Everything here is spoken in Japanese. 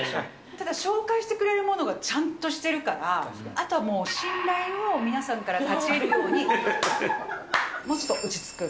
ただ紹介してくれるものがちゃんとしてるから、あとはもう信頼を皆さんから勝ちえるように、もうちょっと落ち着く。